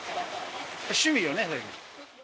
趣味よね。